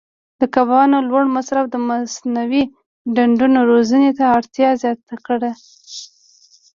د کبانو لوړ مصرف د مصنوعي ډنډونو روزنې ته اړتیا زیاته کړې.